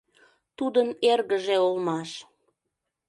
Тудын эргыже улмаш.